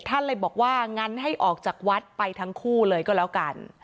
ท่านเลยบอกว่างั้นให้ออกจากวัดไปทั้งคู่เลยก็แล้วกัน